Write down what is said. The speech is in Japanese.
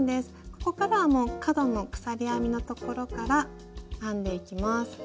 ここからは角の鎖編みのところから編んでいきます。